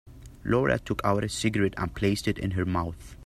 Laura took out a cigarette and placed it in her mouth.